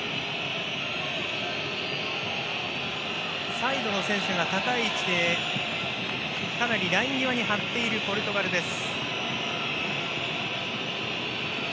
サイドの選手が高い位置でかなりライン際に張っているポルトガルです。